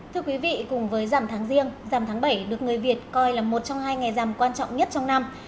thưa quý vị cùng với giảm tháng riêng giảm tháng bảy được người việt coi là một trong hai ngày giảm quan trọng nhất trong năm